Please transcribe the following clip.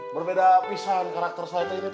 berbeda pisah karakter saya teh